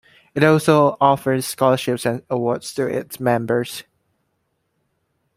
It also offers scholarships and awards to its members.